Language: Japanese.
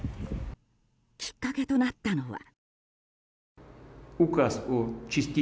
きっかけとなったのは。